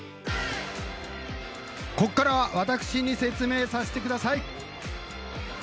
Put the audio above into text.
ここからは私に説明させてください。